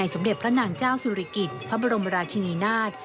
สมเด็จพระนางเจ้าสุริกิจพระบรมราชินีนาฏ